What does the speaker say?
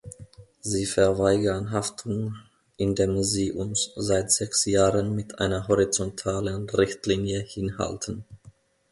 Sie verweigern Haftung, indem Sie uns seit sechs Jahren mit einer horizontalen Richtlinie hinhalten.